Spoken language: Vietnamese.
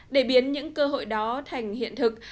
để biến những cơ hội đó thành hiện thực